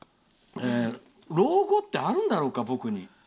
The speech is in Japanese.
老後ってあるんだろうか、僕に。